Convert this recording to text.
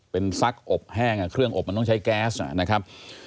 เป็นซักอบแห้งเครื่องอบมันต้องใช้แก๊สนะครับ